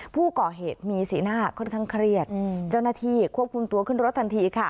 ผู้ก่อเหตุมีสีหน้าค่อนข้างเครียดเจ้าหน้าที่ควบคุมตัวขึ้นรถทันทีค่ะ